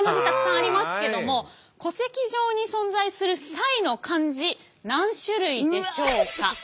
たくさんありますけども戸籍上に存在する「サイ」の漢字何種類でしょうか？